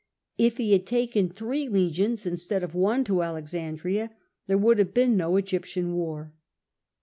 If he had taken three legions instead of one to Alexandria, there would have been no Egyptian war.